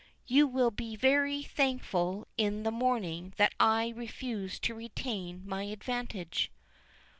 You will be very thankful in the morning that I refused to retain my advantage."